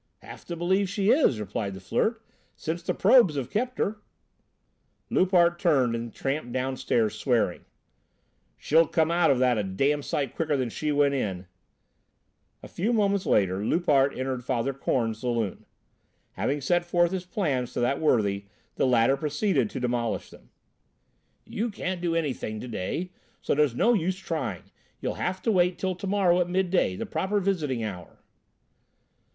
"Have to believe she is," replied the Flirt, "since the 'probes' have kept her." Loupart turned and tramped downstairs swearing. "She'll come out of that a damned sight quicker than she went in!" A few moments later Loupart entered Father Korn's saloon. Having set forth his plans to that worthy, the latter proceeded to demolish them. "You can't do anything to day, so there's no use trying. You'll have to wait till to morrow at midday, the proper visiting hour."